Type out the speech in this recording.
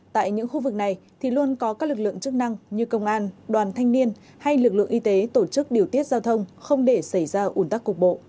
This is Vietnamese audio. tại những khu vực này thì luôn có các lực lượng chức năng như công an đoàn thanh niên hay lực lượng y tế tổ chức điều tiết giao thông không để xảy ra ủn tắc cục bộ